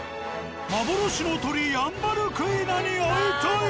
幻の鳥ヤンバルクイナに会いたい！